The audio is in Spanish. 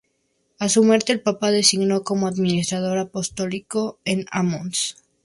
A su muerte, el Papa designó como Administrador Apostólico a mons.